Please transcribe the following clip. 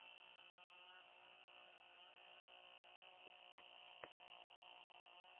kifo cha ghafla cha wanyama wanaoonekana kuwa na afya nzuri